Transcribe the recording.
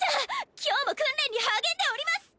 今日も訓練に励んでおります